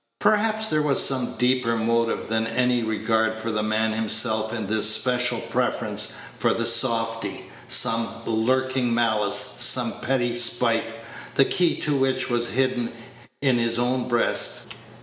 Perhaps there was some deeper motive than any regard for the man himself in this special preference for the softy; some lurking malice, some petty spite, the key to which was hidden in his own breast.